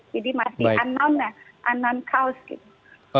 jadi masih unknown ya unknown cause gitu